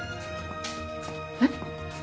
えっ？